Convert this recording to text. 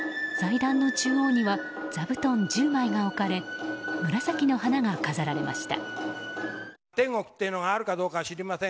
祭壇の中央には座布団１０枚が置かれ紫の花が飾られました。